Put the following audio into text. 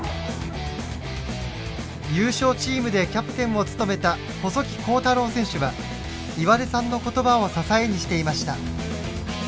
優勝チームでキャプテンを務めた細木康太郎選手は岩出さんの言葉を支えにしていました。